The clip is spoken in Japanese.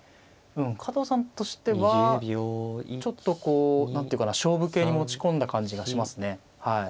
うん加藤さんとしてはちょっとこう何ていうかな勝負形に持ち込んだ感じがしますね。